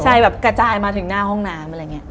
ใช่แบบกระจายมาถึงหน้าห้องน้ำอะไรอย่างนี้